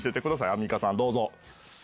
アンミカさんどうぞ。